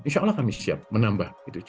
insya allah kami siap menambah